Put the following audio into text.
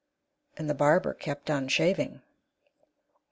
And the barber kept on shaving.